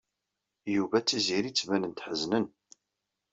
Yuba d Tiziri ttbanen-d ḥeznen.